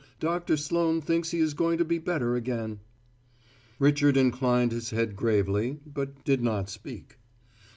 Doctor Sloane thinks he is going to be better again." Richard inclined his head gravely, but did not speak.